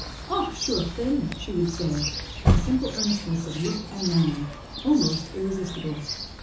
"Och, sure thin," she would say, with simple earnestness of look and manner, almost irresistible.